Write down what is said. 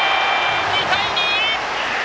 ２対２！